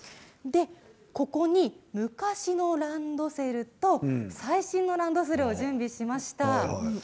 ここに昔のランドセルと最新のランドセルを準備しました。